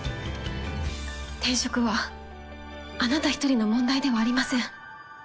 転職はあなた１人の問題ではありません。